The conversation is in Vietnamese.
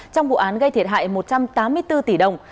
trong vụ án gây thiệt hại một trăm tám mươi bốn tỷ đồng